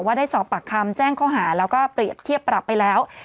ได้สอบปากคำแจ้งข้อหาแล้วก็เปรียบเทียบปรับไปแล้ว